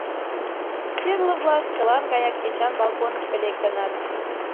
Черле-влак чылан гаяк кечан балконышко лектыныт.